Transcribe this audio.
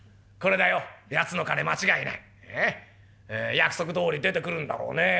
約束どおり出てくるんだろうねえ。